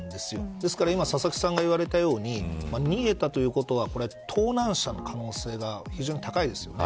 ですから今、佐々木さんが言われたように逃げたということは盗難車の可能性が非常に高いですよね。